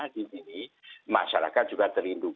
di sini masyarakat juga terlindungi